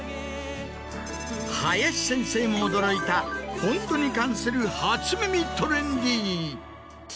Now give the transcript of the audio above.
林先生も驚いたフォントに関する初耳トレンディ。